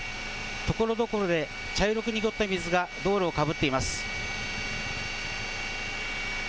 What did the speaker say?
ところどころで茶色く濁った水が道路をかぶっています。